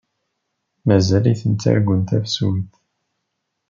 Mazal-iten ttargun tafsut.